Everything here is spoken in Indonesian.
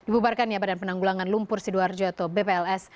dibubarkan ya badan penanggulangan lumpur sidoarjo atau bpls